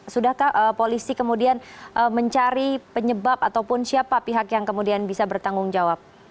sudahkah polisi kemudian mencari penyebab ataupun siapa pihak yang kemudian bisa bertanggung jawab